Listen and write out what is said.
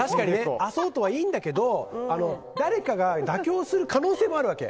アソートはいいんだけど誰かが妥協する可能性もあるわけ。